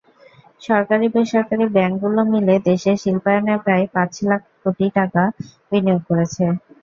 সরকারি-বেসরকারি ব্যাংকগুলো মিলে দেশের শিল্পায়নে প্রায় পাঁচ লাখ কোটি টাকা বিনিয়োগ করেছে।